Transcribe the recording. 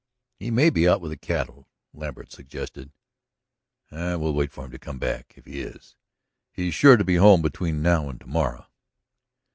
"He may be out with the cattle," Lambert suggested. "We'll wait for him to come back, if he is. He's sure to be home between now and tomorrow."